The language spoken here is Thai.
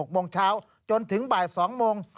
๖โมงเช้าจนถึงบ่าย๒โมง